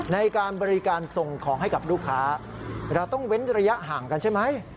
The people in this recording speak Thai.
ในการบริการส่งของให้กับลูกค้า